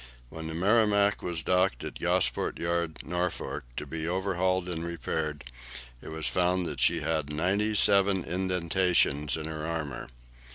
When the "Merrimac" was docked at Gosport Yard, Norfolk, to be overhauled and repaired, it was found that she had ninety seven indentations on her armour.